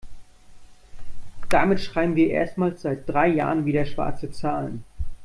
Damit schreiben wir erstmals seit drei Jahren wieder schwarze Zahlen.